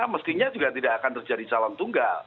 mestinya juga tidak akan terjadi calon tunggal